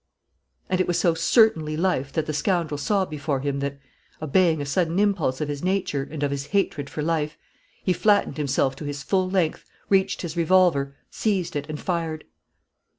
And it was so certainly life that the scoundrel saw before him that, obeying a sudden impulse of his nature and of his hatred for life, he flattened himself to his full length, reached his revolver, seized it, and fired.